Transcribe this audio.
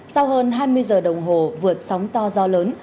sau hơn hai mươi giờ đồng hồ vượt sóng to gió lớn